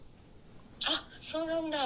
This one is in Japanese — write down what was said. あっそうなんだ。